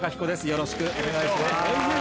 よろしくお願いします。